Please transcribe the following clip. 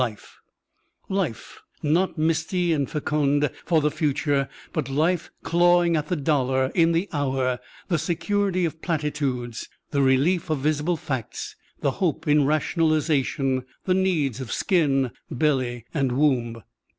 Life not misty and fecund for the future, but life clawing at the dollar in the hour, the security of platitudes, the relief of visible facts, the hope in rationalization, the needs of skin, belly, and womb.